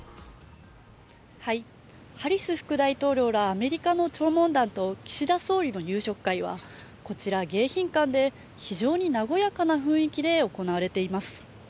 ハリス副大統領らアメリカの弔問団と岸田総理の夕食会はこちら、迎賓館で非常に和やかな雰囲気で行われています。